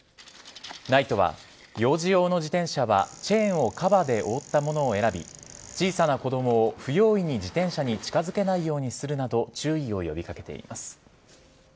ＮＩＴＥは幼児用の自転車はチェーンをカバーで覆ったものを選び小さな子供を不用意に自転車に近づけないようにするなど注意を呼び掛けています。